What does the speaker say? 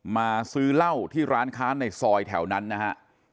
มาซื้อเหล้าที่ร้านค้าในซอยแถวนั้นนะฮะ